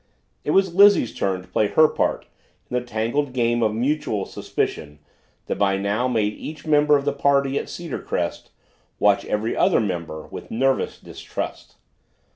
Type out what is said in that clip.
It was Lizzie's turn to play her part in the tangled game of mutual suspicion that by now made each member of the party at Cedarcrest watch every other member with nervous distrust.